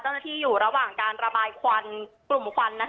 เจ้าหน้าที่อยู่ระหว่างการระบายควันกลุ่มควันนะคะ